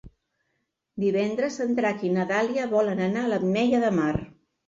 Divendres en Drac i na Dàlia volen anar a l'Ametlla de Mar.